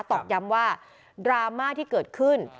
ตอกย้ำว่าดราม่าที่เกิดขึ้น